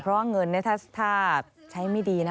เพราะว่าเงินถ้าใช้ไม่ดีนะ